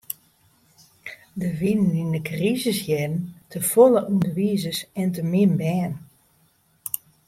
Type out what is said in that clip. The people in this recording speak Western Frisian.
Der wienen yn de krisisjierren te folle ûnderwizers en te min bern.